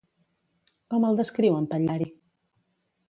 Com el descriu en Patllari?